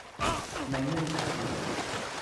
ในเงื่อนไข